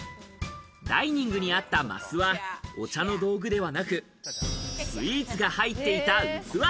ダイニングにあった升はお茶の道具ではなく、スイーツが入っていた器。